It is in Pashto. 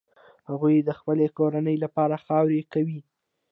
هغوی د خپلې کورنۍ لپاره خواري کوي